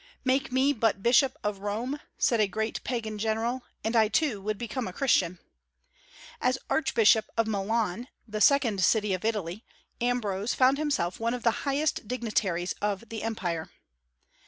"Make me but bishop of Rome," said a great Pagan general, "and I too would become a Christian." As archbishop of Milan, the second city of Italy, Ambrose found himself one of the highest dignitaries of the Empire.